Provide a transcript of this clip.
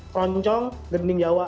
keroncong gending jawa